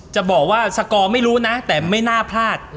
จะบอกว่าสกอร์ไม่รู้นะแต่ไม่น่าพลาด